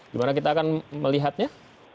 gimana kita akan melihatnya